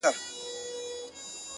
o د سترگو توري په کي به دي ياده لرم،